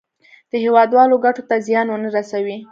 د هېوادوالو ګټو ته زیان ونه رسوي.